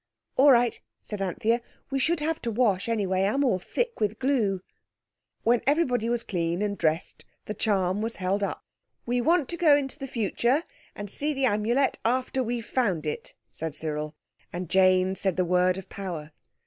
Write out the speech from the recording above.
"All right," said Anthea, "we should have to wash anyway, I'm all thick with glue." When everyone was clean and dressed, the charm was held up. "We want to go into the future and see the Amulet after we've found it," said Cyril, and Jane said the word of Power.